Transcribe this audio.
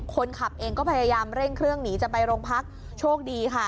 คนขับเองก็พยายามเร่งเครื่องหนีจะไปโรงพักโชคดีค่ะ